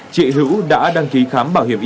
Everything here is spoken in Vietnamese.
chị hữu đã đăng ký khám